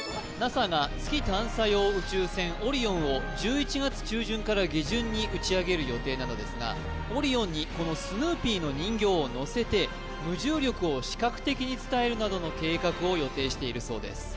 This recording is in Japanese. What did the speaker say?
ＮＡＳＡが月探査用宇宙船オリオンを１１月中旬から下旬に打ち上げる予定なのですがオリオンにこのスヌーピーの人形を乗せて無重力を視覚的に伝えるなどの計画を予定しているそうです